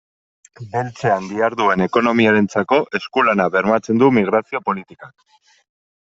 Beltzean diharduen ekonomiarentzako esku-lana bermatzen du migrazio politikak.